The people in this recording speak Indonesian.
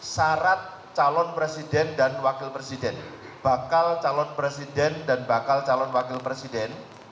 syarat calon presiden dan wakil presiden bakal calon presiden dan bakal calon wakil presiden